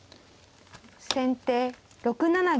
先手６七銀。